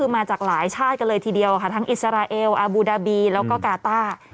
มาจากหลายชาติกันเลยทีเดียวค่ะทั้งอิสราเอลอาบูดาบีแล้วก็กาต้า